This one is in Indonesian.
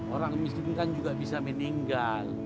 orang miskin kan juga bisa meninggal